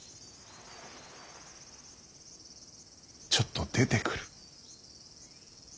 ちょっと出てくる。